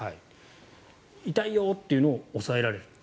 痛いよっていうのを抑えられる。